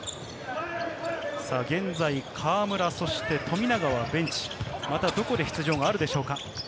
現在、河村そして富永はベンチ、どこで出場があるでしょうか？